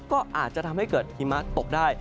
ก็อาจจะทำให้เกิดหิมะตกได้